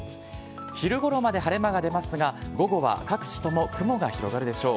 昼ごろまで晴れ間が出ますが、午後は各地とも雲が広がるでしょう。